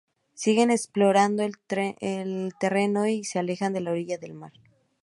Siguen explorando el terreno y se alejan de la orilla del mar.